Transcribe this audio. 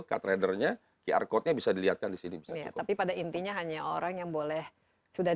card radarnya qr code nya bisa dilihatkan di sini bisa tapi pada intinya hanya orang yang boleh sudah